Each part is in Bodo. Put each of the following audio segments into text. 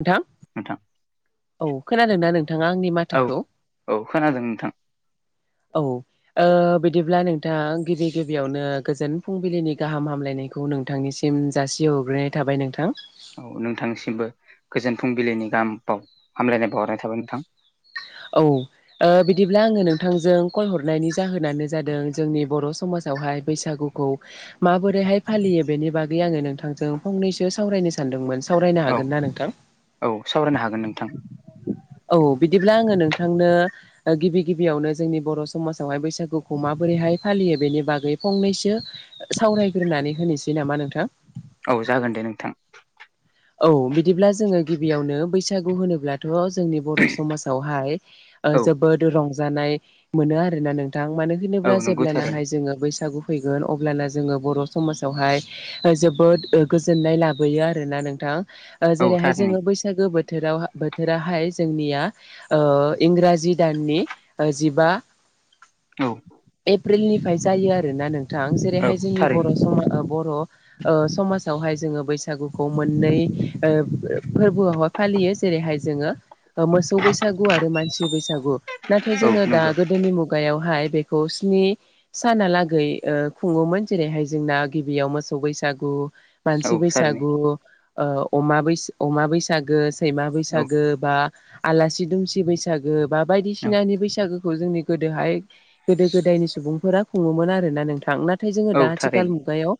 नोंथां औ खोनादों ना नोंथाङा आंनि माथोखौ जागोन नोंथां औ ओ बिदिब्ला नोंथाङा गिबि गिबियावनो गोजोन फुंबिलिनि गाहाम हामलायनाय बेखौ नोंथांनिसिम जासि हरग्रोनाय थाबाय नोंथां औ नोंथांसिमबो गोजोन फुंबिलिनि गाहाम बाव हामलायनाय बावहरनाय थाबाय नोंथां औ ओ बिदिब्ला आङो नोंथांजों कल हरनायनि जाहोनानो जादों जोंनि बर' समाज हाय बैसागुखौ माबोरैहाय फालियो बेनि बागै आङो नोंथांजों फंनैसो सावरायनो सानदोंमोन सावरायनो औ हागोन ना नोंथां औ सावरायनो हागोन नोंथां औ बिदिब्ला आङो नोंथांनो गिबि गिबियावनो जोंनि बर' समाजावहाय बैसागुखौ माबोरै हाय फालियो बेनि बागै फंनैसो सावरायग्रोनानै होनोसै नामा नोंथां औ जागोन दे नोंथां औ बिदिब्ला जोङो गिबियावनो बैसागु होनोब्लाथ' र' जोंनि बर' समाजावहाय ओ औ जोबोद रंजानाय मोनो आरोना नों दां मानो औ होनोब्ला नंगौ थारैनो जेब्लानाहाय जोङो बैसागु फैगोन अब्लाना जोङो बर' समाजावहाय जोबोद गोजोननाय लाबोयो आरोना नों नोंथां ओ औ जेरैहाय थारैनो जोङो बैसागो बोथोराव बोथोराहाय जोंनिया ओ इंराजि दाननि जिबा औ एप्रिलनिफ्राय जायो आरोना नोंथां औ जेरैहाय जोंनि थारैनो बर' समाजाव बर' ओ समाजावहाय जोङो बैसागुखौ मोन नै ओ फोरबोआवहाय फालियो जेरैहाय जोङो मोसौ बैसागु आरो मानसि बैसागु नाथाय औ जोङो दा नंगौ गोदोनि मुगायावहाय बेखौ स्नि सानालागै ओ खुङोमोन जेरैहाय जोंना गिबियाव मोसौ बैसागु औ मानसि थारैनो बैसागु ओ अमा बैस अमा बैसागो सैमा औ बैसागो बा आलासि दुमसि बैसागो बा औ बायदिसिनानि बैसागो खौ जोंनि गोदोहाय गोदो गोदायनि सुबुंफोरा खुङोमोन आरोना नोंथां ना थाय जोङो औ दा आथिखाल थारैनो मुगायाव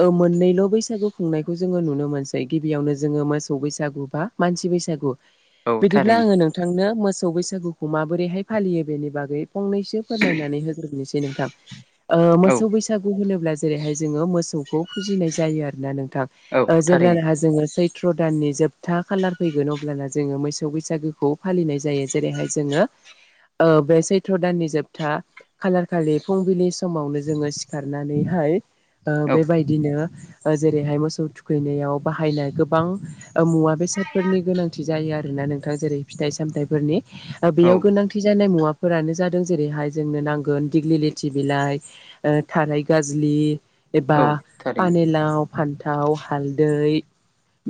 ओ मोननैल' बैसागु खुंनायखौ जोङो नुनो मोनसै जाय गिबियावनो जोङो मोसौ बैसागु बा मानसि बैसागु औ बिदिब्ला थारैनो आङो नोंथांनो मो सौ बैसागुखौ माबोरैहाय फालियो बेनि बागै फंनसो फोरमायनानै होग्रोनोसै नोंथां ओ औ मोसौ बैसु होनोब्ला जेरैहाय जोङो मोसौखौ फुजिनाय जायो आरोना नोंथां औ ओ थारैनो जेब्लाना जोङो सै त्र दाननि जोबथा खालार फैगोन अब्लाना जोङो मोसौ बैसागोखौ फालिनाय जायो जेरैहाय जोङो ओ बे सैत्र दाननि जोबथा खालार खालि फुंबिलि समावनो जोङो सिखारनानैहाय ओ औ बेबायदिनो ओ जेरैहाय मोसौ थुखैनायाव बाहायनाय गोबां ओ मुवा बेसादफोरनि गोनांथि जायो आरोना नोंथाङा जेरै फिथाइ सामथाइफोरनि ओ औ बेयाव गोनांथि जानाय मुवा फोरानो जादों जेरैहाय जोंनो नांगोन दिग्लि लेथि बिलाइ ओ थाराय गाजलि एबा औ थारैनो पानिलाव फान्थाव हालदै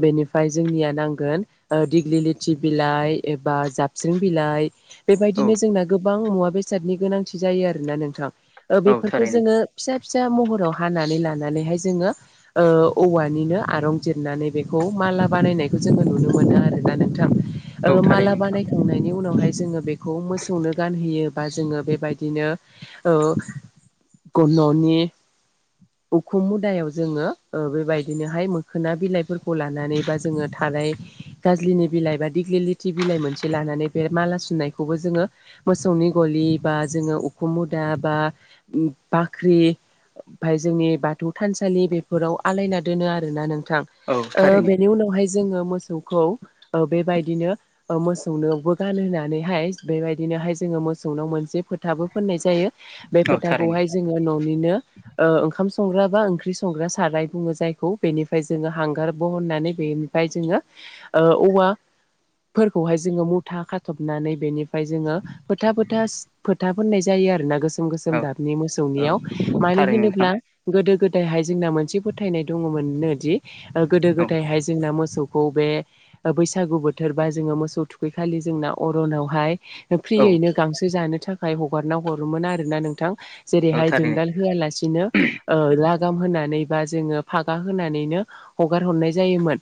बेनिफ्राय जोंनिया नांगोन ओ दिग्लि लिथि बिलाइ एब बा जाबस्रिं बिलाइ औ बेबायदिनो जोंना गोबां मुवा बेसादनि गोनांथि जायो आरोना नोंथां। ओ औ बेफोरखौ जोङो थारैनो फिसा फिसा महराव हानानै लानानैहाय जोङो ओ औवा निनो आरंजिरनानै बेखौ माला बानायनायखौ जोङो नुनो मोनो आरोना नोंथां ओ औ माला थारैनो नोंथां बानायखांनाय बेनि उनावहाय जोङो बेखौ मोसौनो गानहोयो बा जोङो बेबायदिनो ओ ग ननि उखु मुदायाव जोङो ओ बेबायद बिदिनोहाय मोखोना बिलाइफोरखौ लानानै बा जोङो थाराइ गाज्लिनि बिलाइ बा दिग्लिलिथि बि बिलाय मोनसे लानानै बे माला सुनायखौबो जोंङो मोसौनि गलि बा जोंङो उखुम मुदा बा बाख्रि ओमफाय जोंनि बाथौ थानसालि बेफोराव आलायना दोनो आरोना नोंथां औ ओ थारैनो बेनि उनावहाय जोङो मोसौ खौ ओ बेबायदिनो ओ मोसौनोबो गानो होननानैहाय बेबायदिनोहाय जोङो मोसौ मौसौवनाव मोनसे फोथा बो फोननाय जायो बे औ थारैनो फोथाखौहाय जोंङो ननिनो ओ ओंखाम स संग्रा बा ओंख्रि साराय बुङो जाय खौ बेनिफाय जोङो हांगार बहननानै बेनिफाय जोङो ओ औवा फोरखौहाय जोङो मुथा खाथबनानै बेनिफ्राय जोङो फोथा फोथास फोथा फोननाय जाय यो आरो ना गोस गोसोम गोसोम औ गाबनि मोसौनियाव औ मानो थारैनो नोंथां होनोब्ला गोदो गोदायहाय जोंना मोनसे फोथायनाय दङमोननो दि गोदो औ गोदायहाय जोंना मोसौखौ बे ओ बैसागु बोथोर बा जों ङो मोसौ थुखैखालि जोंना अरनावहाय औ फ्रियैनो गांसो जानो थाखाय हगारना हरोमोन आरोना नोंथां। औ जेरैहाय थारैनो दोंदाल होआलासिनो ओ लागाम होनानै बा जोङो फागा होनानैनो हगार हरनाय जायोमोन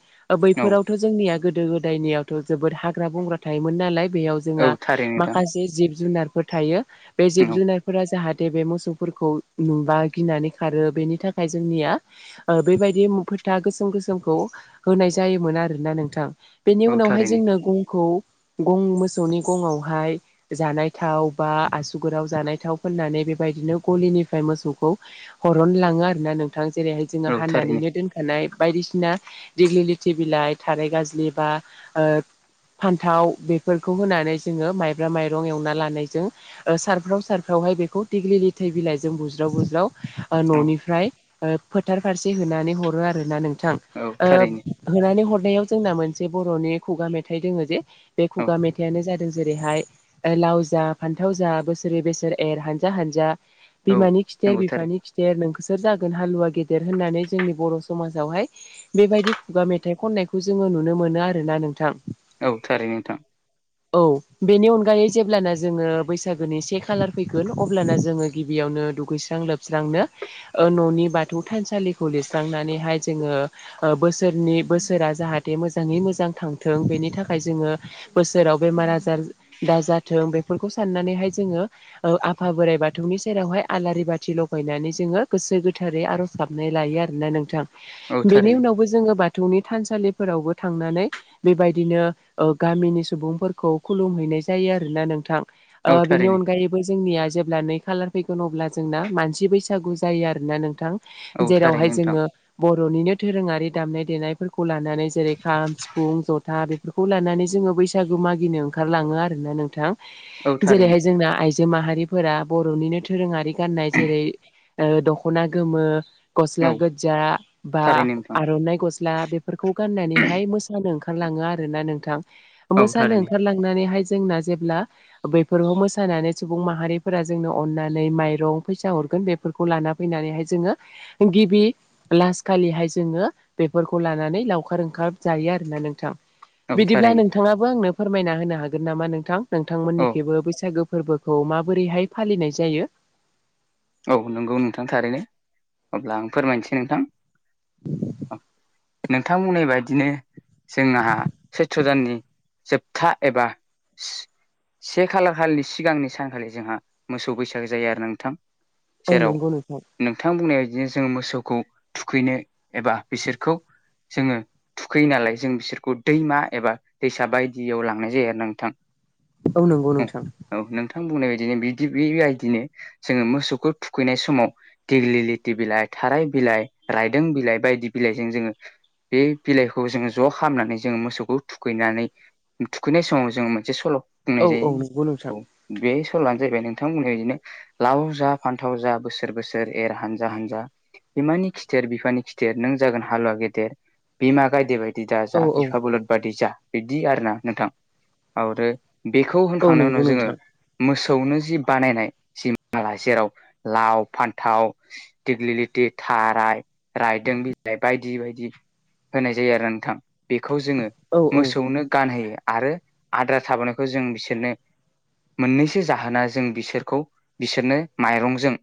औ बैफोरावथ जोंनिया गोदो गोदायनियावथ जोबोद हाग्रा बंग्रा थायोमोन नालाय बेयाव औ जोंहा थारैनो नोंथां माखासे जिब जुनार फोर थायो बे जिब जुनारफोरा जाहाथ थे बे मोसौफोरखौ नुबा गिनानै खारो बेनि थाखाय जोंनिया बेबायदि फोथा गोसोम गोसोमखौ होनाय जायोमोन आरोना नोंथां बेनि औ उनावहाय थारैनो जोंनो गंखौ गं मोसौनि गंआवहाय जानाय थाव बा आसुगोराव जानाय थाव फोननानै बेबायदिनो गलिनिफ्राय मोसौखौ हरनो लाङो आरोना नोंथां जेरै जोङो औ थारैनो हानानैनो दोनखानाय बायदिसिना दिग्लि लिथि बिलाइ थारै गाजलि बा ओ फान्थाव बेफोरखौ होनानै जोङो माइब्रा माइरं एवना लानायजों ओ सारफ्राव सारफ्राव वहाय बेखौ देग्लि थै बिलाइजों बुज्राव बुज्राव ओ औ ननिफ्राय ओ फोथार फारसे होनानै हरो आरोना नों बिथां औ थारैनो ओ होनानै हरनायाव जोंना मोनसे बरनि खुगा मेथाइ दोङो जे बे औ खुगा मेथाइआानो जाद जेरैहाय लाव जा फान्थाव जा बोसोरै बोसोर एर हानजा हानजा औ बिमानि खिथेर नंगौ थारै बिफानि खिथेर नोंखो सोर जागोन हालुवा गेद देर होननानै जोंनि बर समाजावहाय बेबायदि खुगा मेथाइ खननायखौ जोङो नुनो मोनो आरोना नोंथां औ थारै नोंथां औ बेनि अनगायै जेब्लाना जोङो बैसागोनि से खालार फैगोन अब्लाना जोङो गिबियाव नो दुगैस्रां लोबस्रांनो ओ न'नि बाद बाथौ थानसालिखौ लिरस्रांनानैहाय जोङो बोसोरनि बोसोरा जाहाथे मोजाङै मोजां थांथों बेनि थाखाय जोङो बोसोराव बेमार आजार दाजाथों बेफोरखौ साननानैहाय जोंङो ओ आफा बोराइ बाथौनि सेरावहाय आलारि बाथि लगायनानै जोङो गोसो गोथार बे आर'ज गाबनाय लायो आरोना नोंथां औ बेनि थारैनो उनावबो जोङो बाथौनि थानसालि फोरावबो थांनानै बेबायदिनो गामिनि सुबुंफोरखौ खुलुम हैैनाय जायो आरोना नोंथां। ओ औ बेनि थारैनो अनगायैबो जोंनिया जेबो अब्ला नै खालार फैगोन अब्ला जोंना मानसि बैसागु जायो आरोना नों। औ थारैनो जेरावहाय नोंथां जोङो बर'निनो दोरोङारि दामनाय देनायफोरखौ लानानै। नानै जेरै खाम सिफुं ज'था बे। बेखौ लानानै जोङो बैसागु मागिनो ओंखारलाङो आरोना नोंथां औ थारैनो जेरैहाय जोंना आइ जि माहारिफोरा बर'निनो दोरोङारि गाननाय जेरै ओ दख'ना गोमो। गस्ला औ गोजा बा थारैनो नोंथां आर'नाइ गस्ला बेफोरखौ गाननानैहाय मोसानो ओंखारलाङो आरोना नोंथां औ मोसानो थारैनो ओंखारलांनानैहाय। जोंना जेब्ला बेफोरखौ मोसानानै सुबुं माहारिफोरा जोंनो अननानै माइरं फैसा हर। बेफोरखौ ला फैनानैहाय। जोङो गिबि लास खालिहाय जोङो बेफोरखौ लानानै लावखार ओंखार जायो। आरो ना नोंथां। औ बिदिब्ला थारैनो नोंथाङाबो आंनो फोरमायना होनो हागोन नामा नोंथां औ नोंथांमोननिखेबो बैसागु। फोरबोखौ माबोरैहाय फालिनाय जायो? औ नंगौ नोंथां थारैनो अब्ला आं फोरमायनोसै नोंथां। नोंथांमोननि बायदिनो जोंहा सैथ्र' दाननि जोबथा एबा। से खालार खालिनि सिगांनि सानखालि जोंहा मोसौ बैसागो जायो आरो नोंथां। औ जेराव नंगौ नोंथां नोंथां बुंनाय। बिदिनो जोङो मोसौखौ थुखैनो एबा बिसोरखौ। जोङो थुखैयो नालाय जों बिसोरखौ दैमा एबा दैसा बायदियाव लांनाय जायो आरो ना नोंथां। औ नंगौ नोंथां औ नोंथां बुंनाय बायदिनो बिदि बेबायदिनो जोङो मोसौ। मोसौखौ थुखैनाय समाव दिेग्लिलिथि बिलाइ थाराय बिलाइ रायदों बिलाइ बायदि बिलाइजों जोङो। बे बिलाइखौ जोङो ज' खालामनानै जोङो मोसौखौ थुखैनानै। थुखैनाय समाव जोंङो मोनसे सल' औ बुंनाय औ नंगौ नोंथां जायो औ बे। सल आनो जाहैबाय नोंथांमोना बिदिनो लाव जा फान्थाव जा बोसोर बोसोर एर हानजा हानजा बिमानि खिथेर बिफानि खिथेर नों जागोन हालुवा गेदेर बिमा गायदेबायदि। दा जा औ औ बिफा बलद बादि जा बिदि आरोना नोंथां आरो बेखौ औ होनखांनायनि नंगौ उनाव जोङो नोंथां मोसौनो जि बानायनाय जि माला जेराव। लाव फान्थाव दिेग्लिलिथि थाराय रायदों बिलाइ बायदि बायदि। दि होनाय जायो आरो नोंथां बेखौ जोङो औ औ मोसौनो गानहोयो। आरो आद्रा थाबोनायखौ जों बिसोरनो। मोननैसो जाहोना जों बिसोरखौ बिसोरनो। माइरंजों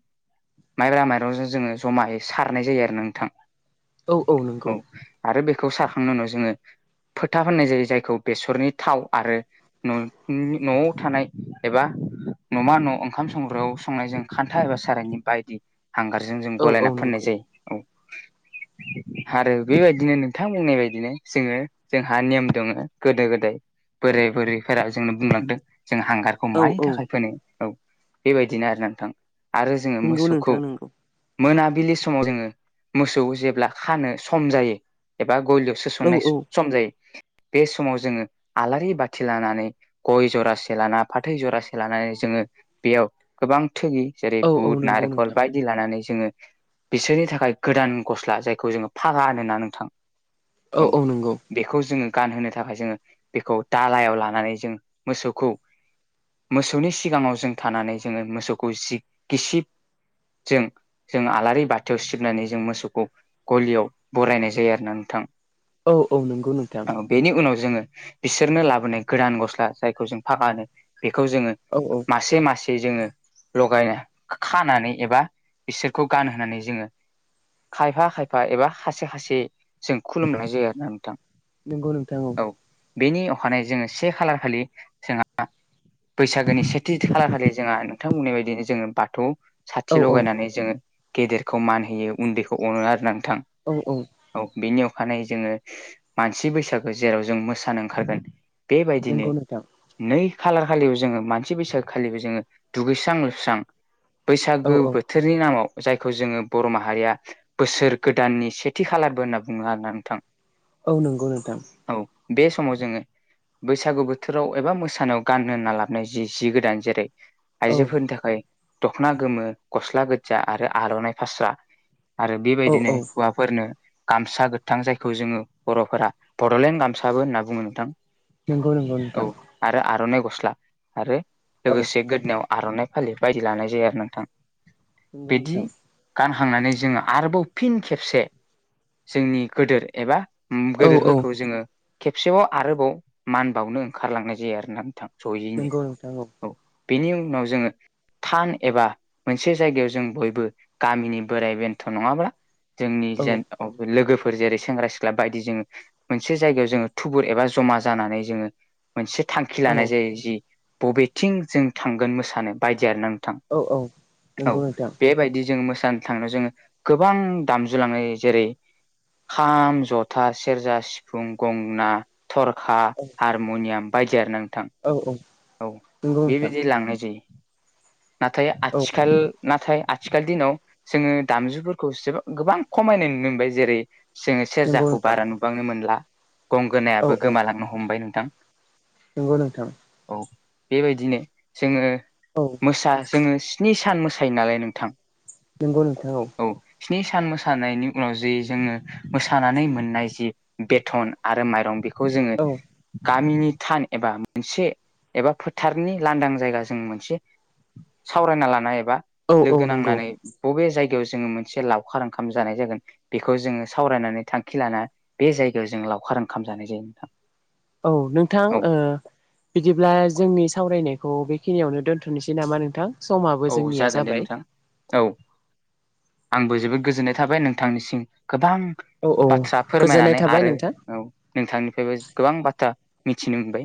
माइब्रा माइरंजों जोङो जमायै सारनाय जायो आरोना नोंथां। औ औ नंगौ आरो बेखौ सारखांनानै उनाव जोङो। फोथा फोनाय जायो जायखौ बेसरनि थाव आरो न' न'आव थानाय एबा। न'मा न' ओंखाम संग्रोआव संनायजों। खान्था एबा सारायनि बायदि हांगारजों जों औ औ गलायना फोननाय नंगौ जायो औ। [inaudible] आरो बेबायदिनो नोंथां बुंनाय बायदिनो जोङो जोंहा नेम दङ गोदो गोदाय। बोरै बोरैफोरा जोंनो बुंलांदों। जों हांगारखौ औ मानि थाखाय फोनो औ बेबायदिनो आरोना नोंथां। आरो जोङो नंगौ मोसौखौ। नोंथां नंगौ मोनाबिलि समाव जोङो मोसौ जेब्ला खानो सम जायो एबा बा गलियावसो औ सननाय औ सम जायो बे समाव जोङो आलारि बाथि लानानै गय जरासे लाना फाथै जरासे लानानै जों। जोङो बेयाव गोबां थोगि जेरै औ औ बुद नंगौ नारेंखल नोंथां बायदि लानानै। जोङो बिसोरनि थाखाय गोदान गस्ला जायखौ जोङो फागा होनो ना नोंथां औ बेखौ जोङो गानहोनो थाखाय जोङो बेखौ दालायाव लानानै जों मोसौखौ मोसौनि सिगाङाव जों थानानै जोङो मोसौखौ जि गिसिब जों जों आलारि बाथियाव सिबनानै जों मोसौखौ गलियाव बरायनाय जायो आरोना नोंथां औ औ नंगौ नोंथां औ बेनि उनाव जोङो बिसोरनो लाबोनाय गोदान गस्ला जायखौ जों फागा होनो बेखौ जोङो औ औ मासे मासे जोङो लगायनो खानानै एबा बिसोरखौ गानहोनानै जोङो खायफा खायफा एबा खायसे खायसे जों खुलुमला जाया आरोना नोंथां नंगौ नोंथां औ बेनि अखानायै जोङो से खालार खालि जोंहा बैसागोनि सेथि खालारखालि जोंहा नोंथां बुंनाय बायदिनो जोङो बाथौ साथि औ लगायनानै जोङो गेदेरखौ मान होयो उन्दैखौ अनो आरोना नों थां औ औ औ बेनि अख खानायै जोङो मानसि बैसागो जेराव जों मोसानो ओंखारगोन बेबायदिनो नंगौ नोंथां नै खालार खालिबो जोङो मानसि बैसागोखालिबो जोङो दुगैस्रां लोबस्रां औ बैसागो औ बोथोरनि नामाव जायखौ जोङो बर माहारिया बोसोर गोदाननि सेथि खालारबो होनना बुङो आरोना नोंथां औ नंगौ नोंथां औ बे समाव जोङो बैसागु बोथोराव एबा मोसानायाव गाननो होनना लाबनाय जि जि गोदान जेरै औ आइजोफोरनि थाखाय दखना गोमो गस्ला गोजा आरो आरनाइ फास्रा आरो औ बेबायदिनो औ हौवाफोरनो गामसा गोथां जायखौ जोङो बरफोरा बडलेण्ड गामसाबो होनना बुङो नोंथां नोंगौ नोंगौ औ नोंथां आरो आर'नाइ गस्ला आरो औ लोगोसे गोदोनायाव आरनाइ फालि बायदि लानाय जायो आरो नोंथां नंगौ नोंथां थांनानै जोङो आरोबाव फिन खेबसे जोंनि गोदोर एबा ओम औ औ गोदोरफोरखौ जोङो खेबसेबाव आरोबाव मान बावनो ओंखारलांनाय जायो आराना नोंथां जयैनो नोंगौ नोंथां औ बेनि उनाव जोङो थान एबा मोनसे जायगायाव जों बयबो गामिनि बोराइ बेन्थ नङाब्ला जोंनि औ जेन लोगोफोर फोर जेरै सेंग्रा सिख्ला बायदि जोङो मोनसे जायगायाव जोङो थुबुर एबा जमा जानानै जोङो मोनसे थांखि औ लानाय जायो जि बबेथिं जों थांगोन मोसानो बायदि आरो ना नों थां औ औ औ नंगौ नोंथां बेबायदि जों मोसा नो थांनो जोङो गोबां दामजु लाङो जेरै खाम जथा सेरजा सिफुं गंना थरखा हारमुनियाम बायदि आरो ना नों औ औ औ नंगौ नोंथां बेबायदि लांनाय जायो नाथाय औ आथिखाल नाथाय आथिखाल दिनाव जोङो दामजुफोरखौ जोबा गोबां खमायनाय नुनो मोनबाय जेरै जोङो नंगौ सेरजाखौ नोंथां बारा नुबांनो मोनला औ गंगोनायाबो औ गोमालांनो हमबाय नोंथां नंगौ नोंथां औ बेबायदिनो जोङो औ मोसा जोङो स्नि सान मोसायो नालाय नोंथां नोंगौ नोंथां औ स्नि सान मोसानायनि उनाव जै जोङो मोसानानै मोननाय जि बेथन आरो माइरं बेखौ खौ जोङो औ गामिनि थान एबा मोनसे एबा फोथारनि लांदां जायगा जों मोनसे सावरायना लानाय एबा औ औ लोगो नंगौ नांनानै बबे जाय जों मोनसे लावखार ओंखाम जानाय जागोन बेखौ जोङो सावरायनानै थांखि लाना बे जायगायाव जोंङो लावखार ओंखाम जानाय जायो नोंथां। औ नोंथां औ ओ बिदिब्ला जोंनि सावरायनायखौ बेखिनियावनो दोन्थ'नोसै नामा नोंथां। समाबो औ जोंनिया जागोन दे जाबाय नोंथां औ आंबो जोबोद गोजोननाय थाबाय नोंथांनिसिम। गोबां औ औ बाथ्रा गोजोननाय फोरमायनानै थाबाय आरो नोंथां औ नोंथांनिफ्रायबो गोबां बाथ्रा मिथिनो मोनबाय।